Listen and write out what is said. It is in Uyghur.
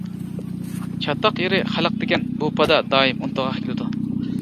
چاتاق يېرى خەلق دېگەن بۇ پادا دائىم ئۇنتۇلغاق كېلىدۇ.